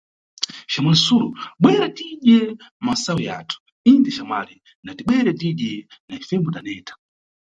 Xamwali Sulo, bwera tidye masayu yathu, inde, xamwali, natibwere tidye, na ifembo taneta.